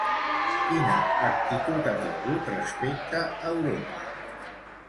Quina actitud ha tingut respecte Europa?